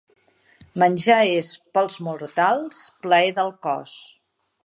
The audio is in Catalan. Menjar és, pels mortals, plaer del cos